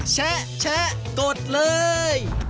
แชะกดเลย